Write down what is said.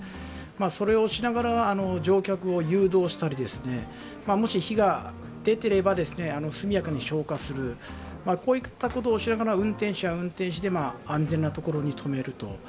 それをしながら乗客を誘導したりもし火が出ていれば速やかに消火する、こういったことをしながら運転士は運転して安全なところに止めると。